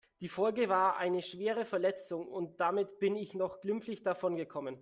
Die Folge war eine schwere Verletzung und damit bin ich noch glimpflich davon gekommen.